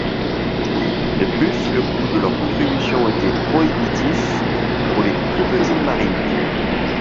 De plus, le coût de leur construction était prohibitif pour les plus petites marines.